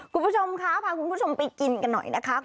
คุณผู้ชมคะพาคุณผู้ชมไปกินกันหน่อยนะคะ